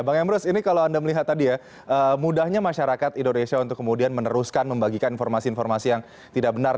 bang emrus ini kalau anda melihat tadi ya mudahnya masyarakat indonesia untuk kemudian meneruskan membagikan informasi informasi yang tidak benar